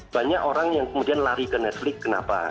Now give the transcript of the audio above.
banyak orang yang kemudian lari ke netflix kenapa